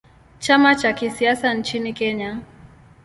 Chama cha kisiasa nchini Kenya.